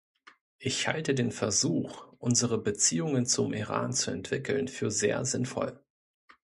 Ich halte den Versuch, unsere Beziehungen zum Iran zu entwickeln, für sehr sinnvoll.